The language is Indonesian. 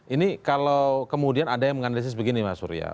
ini kalau kemudian ada yang menganalisis begini mas surya